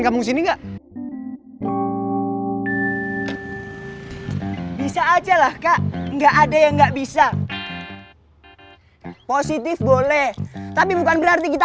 kamu sini enggak bisa ajalah kak nggak ada yang nggak bisa positif boleh tapi bukan berarti kita